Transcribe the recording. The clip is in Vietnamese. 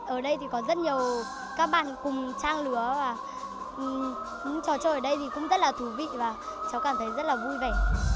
ở đây thì có rất nhiều các bạn cùng trang lứa và những trò chơi ở đây thì cũng rất là thú vị và cháu cảm thấy rất là vui vẻ